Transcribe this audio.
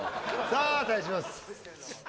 さあ対します。